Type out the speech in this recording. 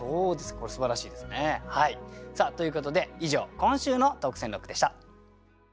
これすばらしいですね。ということで以上今週の特選六句でした。